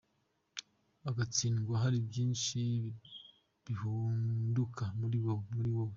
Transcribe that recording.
ugatsindwa hari byinshi bihunduka muri wowe.